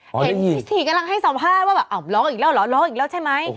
เห็นพิษฐีกำลังให้สัมภาษณ์ว่าอ๋อร้องอีกแล้วร้องอีกแล้วใช่ไหม